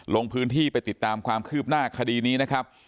ลงพื้นที่ไปติดตามความคืบหน้าคดีนี้นะครับ